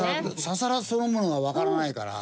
ササラそのものがわからないから。